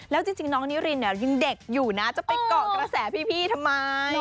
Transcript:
แล้วจริงน้องนิรินเนี่ยยังเด็กอยู่นะจะไปเกาะกระแสพี่ทำไม